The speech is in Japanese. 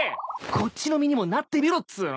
こっちの身にもなってみろっつうの。